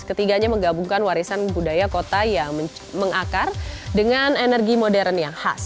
ketiganya menggabungkan warisan budaya kota yang mengakar dengan energi modern yang khas